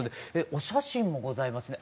お写真もございますね。